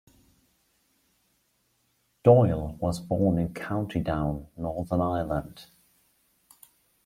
Doyle was born in County Down, Northern Ireland.